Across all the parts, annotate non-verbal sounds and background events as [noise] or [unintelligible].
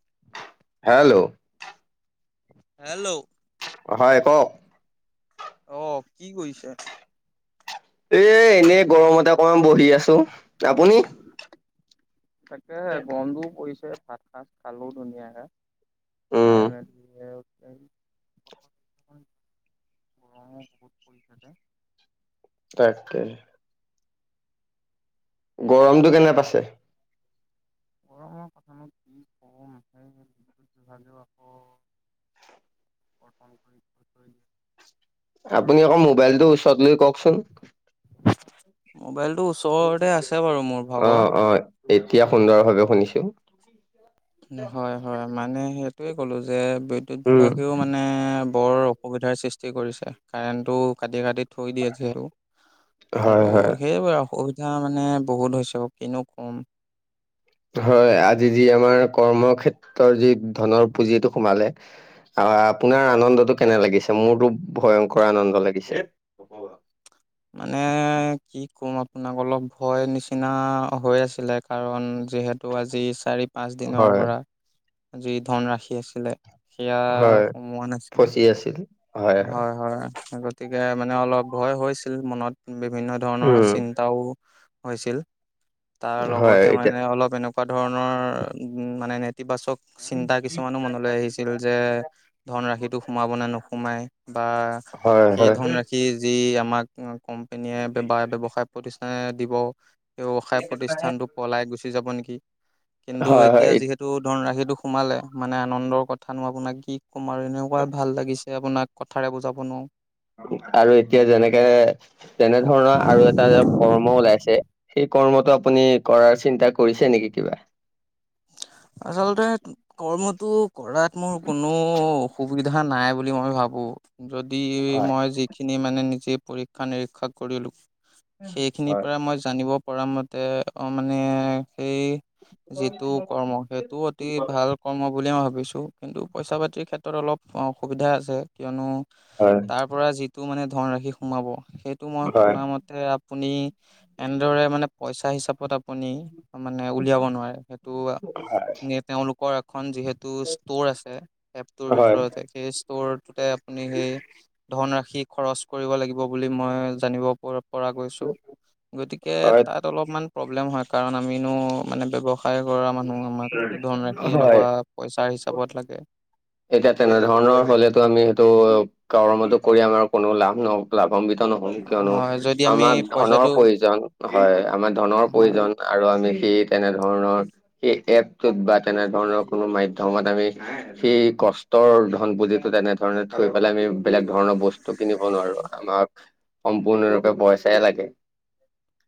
[inaudible] Hello hello অ হয় কওক অ কি কৰিছে? এ এনে গৰমতে অকমান বহি আছো। আপুনি? তাকে গন্ধোও পৰিছে ভাত সাজ খালো ধুনীয়াকে। উম [unintelligible] গৰমো বহুত পৰিছে যে, তাকে, গৰমটো কেনে পাই? গৰমৰ কথানো কি ক ম সে বিহুত জহালেও আক, পটন কৰি উচে, আপুনি অক মোবাইলটো ওচৰত লৈ কওকচোন। মোবাইলটো ওচৰতে আছে বাৰু মোৰ ভাগৰ। অ' অ' এতিয়া সুন্দৰ ভাৱে শুনিছো। হয় হয় মানে সেইটোয়ে কলো যে বিদ্যুৎ উম বিভাগেও মানে, মানে বৰ অসুবিধাৰ সৃষ্টি কৰিছে কাৰেণটো কাটি কাটি, থৈ দিয়ে ঝেল হয় আৰু, হয়। সেইবোৰে আউ অসুবিধা মানে বহুত হৈছে আও কিনো কম। হয় আজি যি আমাৰ কৰ্মক্ষেত্ৰৰ যি ধনৰ পুঁজিটো সোমালে, অ আপোনাৰ আনন্দটো কেনে লাগিছে মোৰতো ভয়ংকৰ আনন্দ লাগিছে। [unintelligible] মানে কি ক'ম আপোনাক অলপ ভয় নিচিনা হৈ আছিলে। কাৰণ যিহেতু আজি চাৰি পাঁচ দিনৰ হয় পৰা যি ধনৰাশি আছিলে, সেয়া হয় সোমোৱা নাছিলে, হয় হয় আগত গতিকে মানে অলপ ভয় হৈছিল মনত বিভিন্ন ধৰণৰ উম চিন্তাও, হৈছিল তাৰ হয় লগতে এতিয়া মানে অলপ এনেকুৱা ধৰণৰ মানে নে, ইতিবাচক চিন্তা কিছুমানো মনলৈ আহিছে, ছিল যে ধনৰাশিটো সোমাব নে নোসোমাই বা হয় সেই হয় ধনৰাশি, কি যি আমাক কোম্পানীয়ে বা ব্যৱসায় প্ৰতিষ্ঠানে দিব। ব্যৱসায় প্ৰতিষ্ঠানটো পলাই গুচি যাব নেকি, কিন্তু হয় এতিয়া হয় যিহেতু টো ধনৰাশিটো সোমালে মানে, আনন্দৰ কথানো আপোনাক কি কম আৰু এনেকুৱাই ভাল লাগিছে, আপোনাক কথাৰে বুজাব নোৱাৰো। আৰু এতিয়া যেনেকে তেনে ধৰণৰ আৰু এটা যে কৰ্ম ওলাইছে সেই, কৰ্মটো আপুনি কৰাৰ চিন্তা কৰিছে নেকি কিবা? আচলতে, কৰ্মটো কৰাত মোৰ কোনো উ অসুবিধা নাই বুলি মই ভাবোঁ। যদি হয় মই যিখিনি মানে নিজে পৰীক্ষা নিৰীক্ষা কৰিলো। সেইখিনিৰ হয়। পৰা মই জানিব পৰা মতে অ' মানে সেই যিটো কৰ্ম সেইটোও অতি ভাল কৰ্ম বুলিয়ে মই ভাবিছো। কিন্তু পইচা পাতিৰ ক্ষেত্ৰত অলপ অসুবিধা আছে। কিয়নো হয়। তাৰ পৰা যিটো মানে ধনৰাশি সোমাব সেইটো মই হয় শুনামত তে আপুনি এনেদৰে মানে পইচা হিচাপত আপুনি মানে উলিয়াব নোৱাৰে। তো তেওঁলোকৰ এখন যিহেতু ষ্ট'ৰ আছে এপটোৰ হয় ভিতৰতে। সেই ষ্টৰটোতে আপুনি সেই ধনৰাশি খৰচ কৰিব লাগিব বুলি মই জানিব প কৰা গৈছো। গতিকে হয় তাত অলপমান প্ৰব্লেম হয় কাৰণ আমিনো মানে ব্যৱ কৰা মানুহ আমাক ধনৰাশি হয়। এনেকুৱা পইচাৰ হিচাপত লাগে। এতিয়া তেনেধৰণৰ হ'লেতো আমি সেইটো কৰ্মতো কৰি আমাৰ কোনো লাভ নহ' লাভান্বিত নহ'ম। কিয়নো হয় যদি আমি আমাক পইচাটো ধনৰ প্ৰয়োজন হয় আমাৰ ধনৰ হয় প্ৰয়োজন আৰু আমি সেই তেনে ধৰণৰ এই এপটোত বা তেনেধৰণৰ কোনো মাধ্যমত আমি সেই কষ্টৰ ধন পুজিটো তেনেধৰণে থৈ পেলাই আমি বেলেগ ধৰণৰ বস্তু কিনিব নোৱাৰো। আমাক সম্পূৰ্ণৰূপে পইচাই লাগে।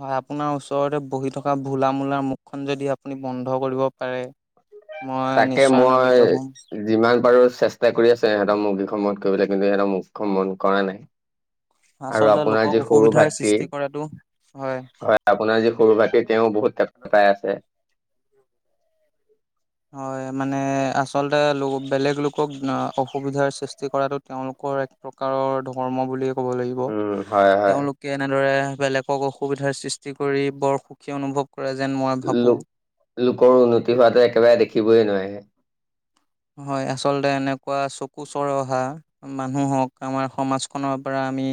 হয়, আপোনাৰ ওচৰতে বহি থকা ভোলা মূলাৰ মুখখন যদি আপুনি বন্ধ কৰিব পাৰে। মই তাকে নিশ্চয় আনন্দিত হ'ম। মই যিমান পাৰো চেষ্টা কৰি আছে সিহঁতক মুখ কিখন বন্ধ কৰিবলৈ কিন্তু সিহঁতক মুখ কিখন বন্ধ কৰা নাই। আৰু আচলতে আপোনাৰ লোকক যি সৰু অসুবিধাৰ ভাতৃ সৃষ্টি কৰাটো হয়। আপোনাৰ যি সৰু ভাইটি তেওঁ বহুত তেপ হেল্ল' তেপাই আছে। হয়, মানে আচলতে লোক বেলেগ লোকক অ' অসুবিধাৰ সৃষ্টি কৰাটোত তেওঁলোকৰ এক প্ৰকাৰৰ ধৰ্ম বুলি উম, হয়, হয়। কে এনেদৰে বেলেগক অসুবিধাৰ সৃষ্টি কৰি বৰ সুখী অনুভৱ কৰে যেন মই ভাবোঁ। লোক লোকৰ উন্নতি হোৱাটো একেবাৰে দেখিবইে নোৱাৰি আহে। হয়, আচলতে এনেকুৱা চকু চৰহা। মানুহক আমাৰ সমাজখনৰ পৰা আমি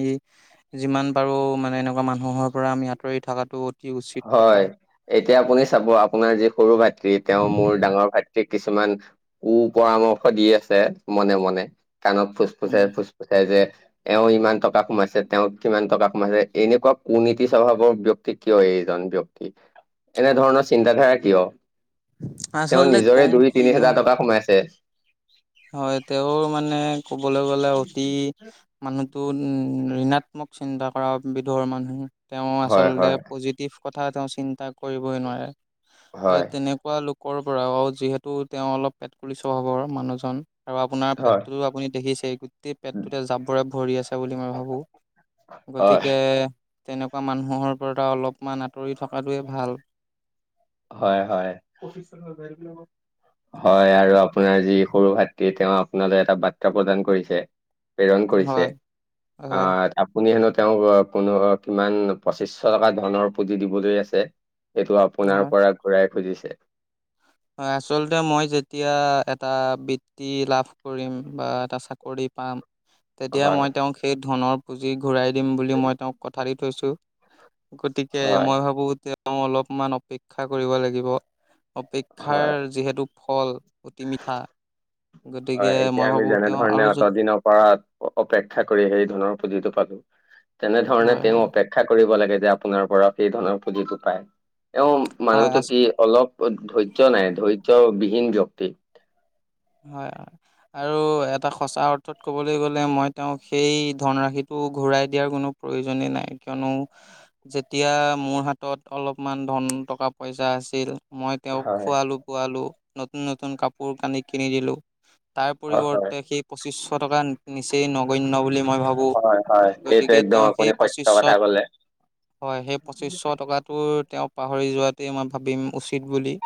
যিমান পাৰোঁ মানে এনেকুৱা মানুহৰ পৰা আমি আঁতৰি থকাটো উচিত কথা। হয়, এতিয়া আপুনি চাব আপোনাৰ যি সৰু ভাতৃ তেওঁ মোৰ ডাঙৰ ভাত কিছুমান কু পৰামৰ্শ দি আছে মনে মনে কাণত উম, ফুচফুচাই ফুচ কৈছে যে এওঁ ইমান টকা সোমাইছে তেওঁ কিমান টকা সোমাইছে এনেকুৱা কুনীতি স্বভাৱৰ ব্যক্তিক কিয় এই জন ব্যক্তি এনেধৰণৰ চিন্তাধাৰা কিয়? তেওঁ আচলতে নিজৰে কম দুই কি তিনি ন হোজাৰ টকা সোমাইছে। হয়, তেওঁৰ মানে ক'বলৈ গ'লে অতি মানুহতো উম ঋণাত্মক চিন্তা কৰা বিধৰ মানুহ। তেওঁ হয় আচলতে হয় পজিটিভ কথা তেওঁ চিন্তা কৰিবই নোৱাৰে। এই হয় তেনে কুৱা লোকৰ পৰা অ' যিহেতু তেওঁ অলপ পেট কুলি স্বভাবৰ মানুহজন। আৰু আপোনাৰ হয় পেটটো আপুনি দেখিছেই গোটেই পেটটোতে জাবৰে ভৰি আছে বুলি মই ভাবোঁ। হয় গতিকে তেনেকুৱা মানুহৰ পৰা অলপমান আঁতৰি থকাটোৱে ভাল। হয়, হয়। হয়, আৰু আপোনাৰ যি সৰু ভাতৃ তেওঁ আপোনালৈ এটা বাৰ্তা প্ৰদান কৰিছে। প্ৰেৰণ কৰিছে হয় হয় আহ আপুনি হেনো তেওঁক কোনো কিমান পঁচিশশ টকা ধনৰ পুঁজি দিবলৈ আছে। সেইটো আপোনাৰ হয় পৰা ঘূৰাই খুজিছে। হয়। আচলতে মই যেতিয়া এটা বৃত্তি লাভ কৰিম বা এটা চাকৰি পাম। তেতিয়া হয় মই তেওঁক সেই ধনৰ পুঁজি ঘূৰাই দিম বুলি মই তেওঁক কথা দি থৈছো। গতিকে হয় মই ভাবো। তেওঁ অলপমান অপেক্ষা কৰিব লাগিব। অপে হয় শিক্ষাৰ যিহেতু ফল অতি মিঠা। গতিকে মই ভাবো তেওঁ আৰু য দিনৰ পৰা অপেক্ষা কৰি সেই ধনৰ পুজিটো পালো। তেনেধৰণে হয় তেওঁ হয় অপে [unintelligible] কৰিব লাগে। যে আপোনাৰ পৰা সেই ধৰণৰ পুঁলিটো পায়। এওঁ হয় আ মানুহটো কি? অলপ ধৈৰ্য নাই। ধৈৰ্যবিহীন ব্যয়ক্তি। হয়। আৰু এটা সঁচা অথত ক'বলৈ গ'লে। মই তেওঁক সেই ধনৰাশিটো ঘূৰাই দিয়াৰ কোনো প্ৰয়োজনে নাই। কিয়নো যেতিয়া মোৰ হাতত অলপমান ধন টকা পইচা আছিল। মই তেওঁক হয় খোৱালো পোৱালো নতুন নতুন কাপোৰ কানি কিনি দিলোঁ। তাৰ হয় হয় পৰিৱৰ্তে সেই পঁচিশ টকা নিচেই নগন্য বুলি মই ভাবো হয় হয় এইটো গতিকে একদম তেওঁ আপুনি সেই সত্য কথা পঁচিছত ক'লে হয়। সেই পঁচিশশ টকাটো তেওঁ পাহৰি যোৱাটোৱে মই ভাবিম উচিত বুলি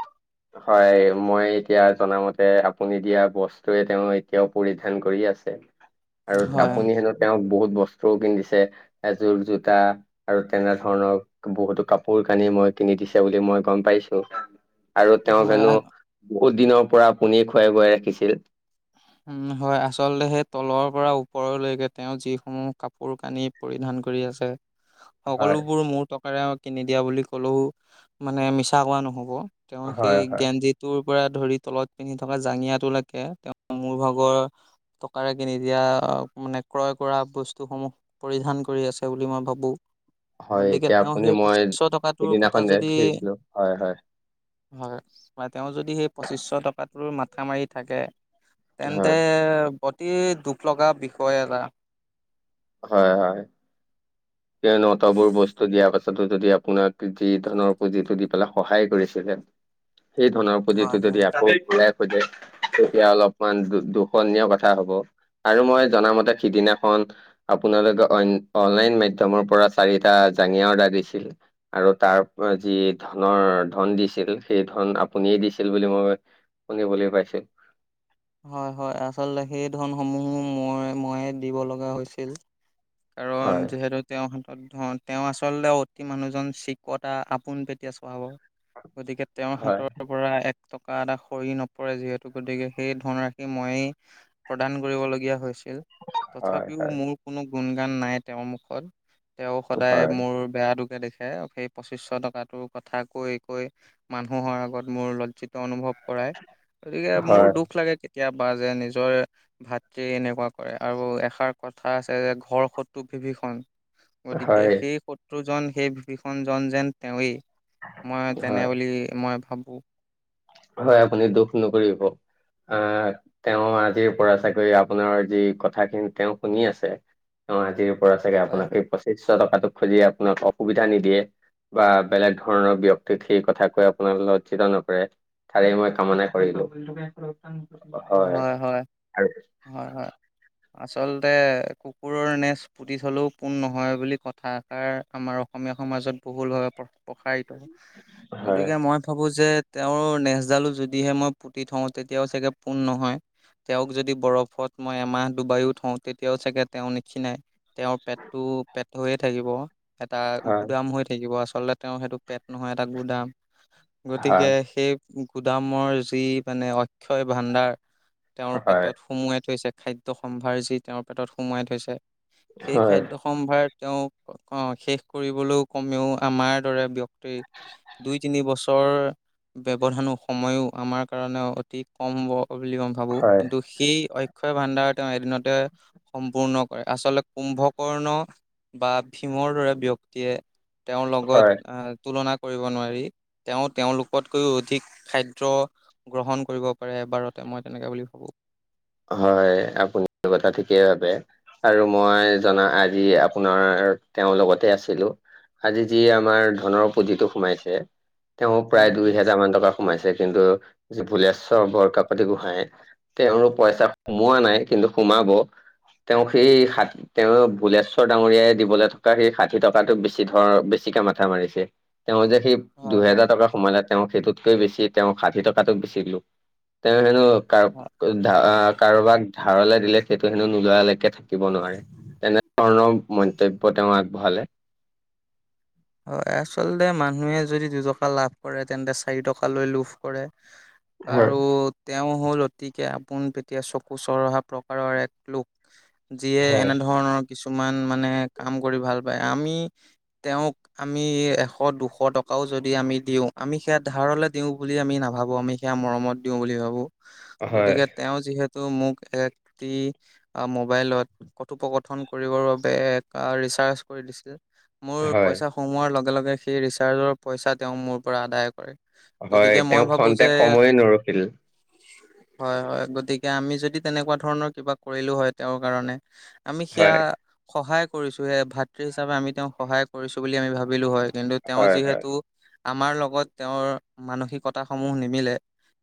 হয়। মই এতিয়া জনামতে আপুনি দিয়া বস্তুৱে তেওঁ এতিয়াও পৰিধান কৰি আছে। [inaudible] আৰু হয় আপুনি হেনো তেওঁক বহুত বস্তুও কিন দিছে। এযোৰ জোতা আৰু তেনেধৰণৰ বহুতো কাপোৰ কানি মই কিনি দিছে বুলি মই গম পাইছো। আৰু তেওঁ জানো হয় বহুত দিনৰ পৰা আপুনি খুৱাই বুৱাই ৰাখিছিল। উম', হয়। আচলতে সেই তলৰ পৰা ওপৰলৈকে তেওঁ যিসমূহ কাপোৰ কানি পৰিধান কৰি আছে। হয় সকলোবোৰ মোৰ টকাৰৰে কিনি দিয়া বুলি ক'লেও মানে মিছা কোৱা নহ'ব তেওঁ সেই হয় হয় গেঞ্জিটোৰ পৰা ধৰি তলত পিন্ধি থকা জাঙিয়াত লকে তেওঁ মোৰ ভাগৰ টকাৰে কিনি দিয়া মানে ক্ৰয় কৰা বস্তুসমূহ পৰিধান কৰি আছে বুলি মই ভাবো। হয় গতিকে এতিয়া তেওঁ আপুনি সেই মই পঁচশ টকাটোৰ কথা সিদিনাখন যদি দেখিছিলো হয় হয় হয়, বা তেওঁ যদি সেই পঁচিছশ টকাটোৰ মাথা মাৰি থাকে। তেন্তে হয় অতি দুখ লগা বিষয় এটা হয়। হয়। [inaudible] সেই বোৰ বস্তু দিয়া পাছতো যদি আপোনাক যি ধনৰ পুঁজিটো দি পেলাই সহায় কৰিছিলে। সেই ধনৰ হয় পুজিটো হয় যদি আকৌ বলে তেতিয়া অলপমান দূখননীয় কথা হব। আৰু মই জনামতে সিদিনাখন আপোনালোকে অন অনলাইন মাধ্যমৰ পৰা চাৰিটা জাঙিয়া অৰ্ডাৰ দিছিল। আৰু তাৰ যি ধনৰ ধন দিছিল। সেই ধন আপুনিয়ে দিছিল বুলি মই শুনিবলৈ পাইছো। হয়। হয়। আচলতে সেই ধনসমূহ মই দিব লগা হৈছিল। কাৰণ হয় যিহেতৈ তেওঁৰ হাতত ধন তেওঁ আচলতে অতি মানুহজন চিকতা আপোন পেতিয়া চভাবৰ। গতিকে তেওঁৰ হয় হাতৰ পৰা এক টকা এটা খৰি নপৰে। যিহেতু গতিকে সেই ধনৰাশি মইয়েই প্ৰদান কৰিবলগীয়া হৈছিল। হয় তথাপিও হয় মোৰ কোনো গুণ গান নাই তেওঁৰ মুখত। তেওঁ সদায় হয় মোৰ বেয়াটোকে দেখে। সেই পঁচিছশ টকাটোৰ কথা কৈ-কৈ মানুহৰ আগত মোৰ লজ্জিত অনুভৱ কৰাই। গতিকে মোৰ হয় দুখ লাগে কেতিয়াবা যে নিজৰ ভাতৃ এনেকুৱা কৰে আৰু এষাৰ কথা আছে যে ঘৰ শত্ৰু ভিভীষন। গতিকে হয় সেই শত্ৰুজন সেই ভিভীষণজন যেন তেৱেঁই। মই হয় তেনে বুলি মই ভাবোঁ। হয়, আপুনি দুখ নকৰিব। আহ তেওঁ আজিৰ পৰা চাগৈ আপোনাৰ যি কথাখিনি তেওঁ শুনি আছে অঁ আজিৰ পৰা চাগে হয় আপোনাক এই পঁচিছশ টকাটো খুজি আপোনাক অসুবিধা নিদিয়ে। বা বেলেগ ধৰণৰ ব্যক্তিক সেই কথা কৈ আপোনাক লজ্জিত নকৰে। তাৰেই মই কামনা কৰিলোঁ। উম [unintelligible] হয়-হয়, হয়-হয় আচলতে কুকুৰৰ নেচ পুতি থলেও পোন নহয় বুলি কথা এষাৰ আমাৰ অসমীয়া সমাজত বহুলভাৱে প্ৰসাৰিত। হয় গতিকে মই ভাবোঁ যে তেওঁৰ নেজডালো যদিহে মই পুতি থওঁ তেতিয়াও চাগে পোন নহয়। তেওঁক যদি বৰফত মই এমাহ ডুবাইও থওঁ তেতিয়াও চাগে তেওঁ নিক্ষিণাই। তেওঁৰ পেটটো পেট হৈয়ে থাকিব। এটা হয় গুদাম হৈ থাকিব আচলতে তেওঁ সেইটো পেট নহয় এটা গুদাম গতিকে হয় সেই গুদামৰ যি মানে অক্ষয় ভাণ্ডাৰ তেওঁৰ হয় পেটত সুমোৱাই থৈছে। খাদ্য সম্ভাৰ যি তেওঁৰ পেটত সোমাই থৈছে সেই হয় খাদ্য সম্ভাৰ তেওঁ অঁ শেষ কৰিবলৈও কমেও আমাৰ দৰে ব্যক্তিৰ দুই-তিনি বছৰ ব্যৱধানো সময়ো আমাৰ কাৰণে অতি কম হ'ব বুলি মই ভাবোঁ হয় কিন্তু সি অক্ষয় ভাণ্ডাৰ তেওঁ এদিনতে সম্পূৰ্ণ কৰে আচলতে কুম্ভকৰ্ণ বা ভীমৰ দৰে ব্যক্তিয়ে তেওঁৰ লগত হয় আহ তুলনা কৰিব নোৱাৰি তেওঁ তেওঁলোকতকৈও অধিক খাদ্য গ্ৰহণ কৰিব পাৰে এবাৰতে মই তেনেকে বুলি ভাবোঁ। হয়, আপুনি এইটো কথা ঠিকেই ভাবে। আৰু মই জনা আজি আপোনাৰ তেওঁৰ লগতে আছিলোঁ। আজি যি আমাৰ ধনৰ পুঁজিটো সোমাইছে তেওঁ প্ৰায় দুই উম। হেজাৰ মান টকা সোমাইছে কিন্তু যি ভুলেশ্বৰ বৰকাকতি গোহাঁইয়ে তেওঁৰ পইচা সোমোৱা নাই কিন্তু সোমাব তেওঁ সেই হাত তেওঁক ভুলেশ্বৰ ডাঙৰীয়াই দিবলৈ থকা সেই ষাঠি টকাতো বেছি ধৰ বেছিকে মাথা মাৰিছে। তেওঁ যে সেই হয়, হয়, দুহেজাৰ টকা সোমালে তেওঁ সেইটোতকৈ বেছি তেওঁ ষাঠি টকাতোক বেছি লোভ। তেওঁ হেনো হয়। [unintelligible] ধা কাৰোবাক ধাৰলে দিলে সেইটো হেনো নোলোৱালৈকে থাকিব নোৱাৰে। তেনে ধৰণৰ মন্তব্য তেওঁ আগবঢ়ালে। হয়। আচলতে মানুহে যদি দুটকা লাভ কৰে তেন্তে চাৰি টকা লৈ লোভ কৰে। হয় আৰু তেওঁ হ'ল অতিকে আপোন তেতিয়া চকু চৰহা প্ৰকাৰৰ এক লোক। যিয়ে হয় এনে ধৰণৰ কিছুমান মানে কাম কৰি ভাল পায় আমি তেওঁক আমি এশ, দুশ টকাও যদি আমি দিওঁ আমি সেয়া ধাৰলৈ দিওঁ বুলি আমি নাভাবোঁ। আমি সেইয়া মৰমত দিওঁ বুলি ভাবোঁ। হয় গতিকে তেওঁ যিহেতু মোক একটি আ মোবাইলত, কথোপকথন কৰিবৰ বাবে ৰিচাৰ্জ কৰি দিছিল। মোৰ হয় পইচা সোমোৱাৰ লগে লগে, সেই ৰিচাৰ্জৰ পইচা তেওঁ মোৰ পৰা আদায় কৰে। হয় গতিকে মই তেওঁ ভাবোঁ খ্ষন্তে যে সময়ে নৰখিল। হয় হয়, গতিকে আমি যদি তেনেকুৱা ধৰণৰ কিবা কৰিলো হ'য়, তেওঁৰ কাৰণে। আমি সেয়া, হয় সহায় কৰিছো হে, ভাতৃ হিচাপে আমি তেওঁক সহায় কৰিছো বুলি আমি ভাবিলো হয়। কিন্তু তেওঁ হয় হয় যিহেতু, আমাৰ লগত তেওঁৰ মানসিকতা সমূহ নিমিলে।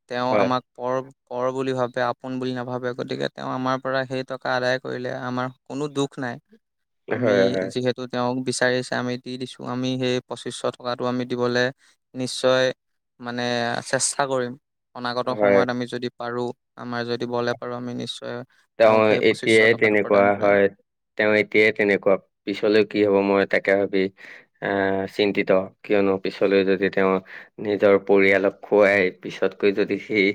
তেওঁ হয় আমাক, পৰ পৰ বুলি ভাবে, আপোন বুলি নাভাবে, গতিকে তেওঁ আমাৰ পৰা সেই টকা আদায় কৰিলে, আমাৰ কোনো দুখ নাই। আমি হয় হয় যিহেতু তেওঁক বিচাৰিছে আমি দি দিছো আমি সেই পঁচিশ টকাটো আমি দিবলৈ, নিশ্চয় মানে চেষ্টা কৰিম। অনাগত হয় সময়ত আমি যদি পাৰো, আমাৰ যদি বলে পাৰো আমি নিশ্চয় তেওঁক তেওঁ সেই পঁচিছশ এতিয়া টকাটো প্ৰদান তেনেকুৱা কৰিম হয়। তেওঁ এতিয়াই তেনেকুৱা, পিছলেও কি হ'ব মই তাকে ভাবি আ, চিন্তিত কিয়নো পিছলৈ যদি তেওঁ নিজৰ পৰিয়ালক খুৱাই পিছতকৈ যদি সেই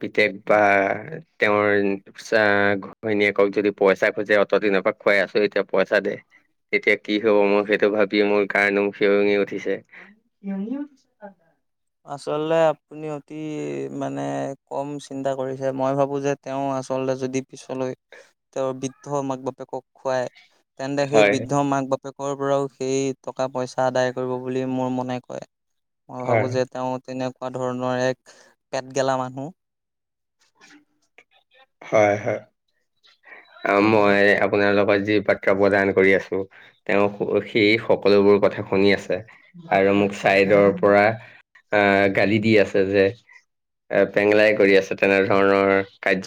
পিতেক বা, তেওঁৰ চা, ঘৈণীয়েকক যদি পইচা খোজে অতদিনৰ পৰা খুৱাই আছো, এতিয়া পইচা দে। তেতিয়া কি হ'ব মোক সেইটো ভাবি মোৰ গাৰ নোম শিৰঙি উঠিছে। আচলতে আপুনি অতি মানে কম চিন্তা কৰিছে, মই ভাবো যে তেওঁ আচলতে যদি পিছলৈ, তেওঁৰ বৃদ্ধ মাক বাপেকক খুৱাই তেন্তে সেই হয় বৃদ্ধ মাক বাপেকৰ পৰাও, সেই টকা পইচা আদায় কৰিব বুলি মোৰ মনে কয়। মই ভাবো হয় যে তেওঁ তেনেকুৱা ধৰণৰ এক, পেটগেলা মানুহ। হয় হয়, হয়। মই আপো আপোনাৰ লগত যি বাক্য প্ৰদান কৰি আছো, তেওঁ সেই সকলোবোৰ কথা শুনি আছে। আৰু মোক চাইডৰ পৰা আহ, গালি দি আছে যে এ, পেঙলাই কৰি আছে, তেনেধৰণৰ কাৰ্য